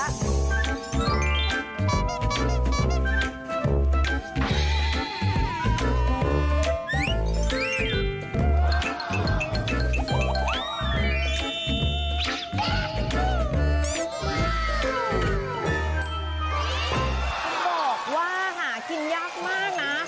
บอกว่าหากินยากมากนะ